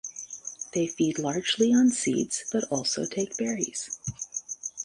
They feed largely on seeds, but also take berries.